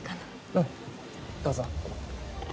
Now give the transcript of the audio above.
うんどうぞ。